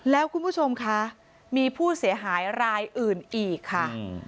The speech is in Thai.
แล้วคุณผู้ชมคะมีผู้เสียหายรายอื่นอีกค่ะ